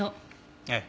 ええ。